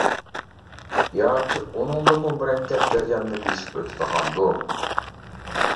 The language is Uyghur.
ياكى ئۇنىڭدىنمۇ مۇرەككەپ جەرياننى بېسىپ ئۆتىدىغاندۇ.